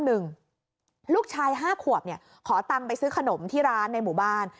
ลูกชาย๕ขวบเนี่ยขอตังค์ไปซื้อขนมที่ร้านในหมู่บ้าน